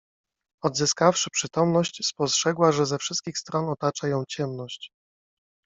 Odzyskawszy przytomność, spostrzegła, że ze wszystkich stron otacza ją ciemność.